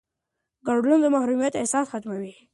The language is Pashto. ګډون د محرومیت احساس ختموي